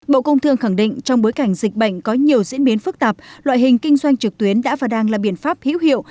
bộ công thương khẳng định trong bối cảnh dịch bệnh có nhiều diễn biến phức tạp loại hình kinh doanh trực tuyến đã và đang là biện pháp hữu hiệu